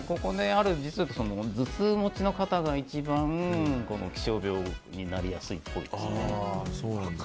頭痛持ちの方が一番気象病になりやすいっぽいですね。